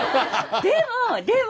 でも！